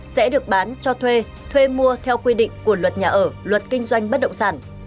sẽ được bán cho thuê thuê mua theo quy định của luật nhà ở luật kinh doanh bất động sản